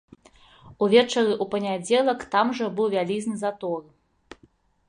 Увечары ў панядзелак там жа быў вялізны затор.